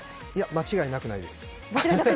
間違いなくないです。